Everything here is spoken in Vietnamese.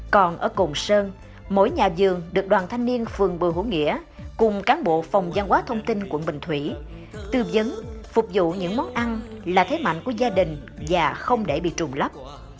còn ở cộng sơn mỗi nhà vườn được đoàn thanh niên phường bừa hữu nghĩa cùng cán bộ phòng văn hóa thông tin quận bình thủy tư dấn phục vụ những món ăn là thế mạnh của gia đình và không để bị trùng lấp